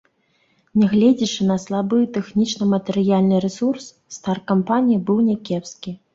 Нягледзячы на слабы тэхнічна-матэрыяльны рэсурс, старт кампаніі быў някепскі.